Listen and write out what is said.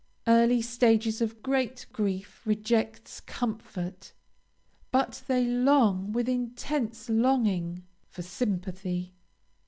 Early stages of great grief reject comfort, but they long, with intense longing, for sympathy.